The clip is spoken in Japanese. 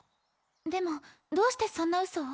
でもどうしてそんなうそを？